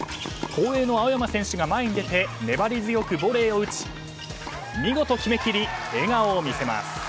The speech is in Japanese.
後衛の青山選手が前に出て粘り強くボレーを打ち見事決めきり笑顔を見せます。